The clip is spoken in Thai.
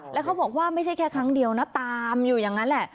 แล้วเขาบอกว่าไม่ใช่แค่ครั้งเดียวนะตามอยู่อย่างนั้นแหละ